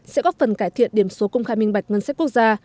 sẽ góp phần cải thiện điểm số công khai minh bạch ngân sách quốc gia